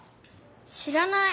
知らない。